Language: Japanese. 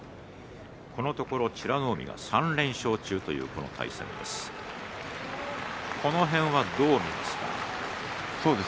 このところ美ノ海が３連勝中という、この対戦です。